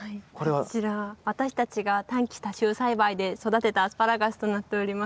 こちら私たちが短期多収栽培で育てたアスパラガスとなっております。